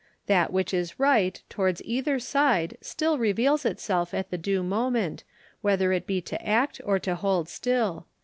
That which is right towards either side still reveals itself at the due moment, whether it be to act or to hold still.